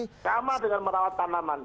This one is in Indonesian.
sama dengan merawat tanaman